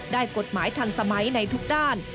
กฎหมายทันสมัยในทุกด้าน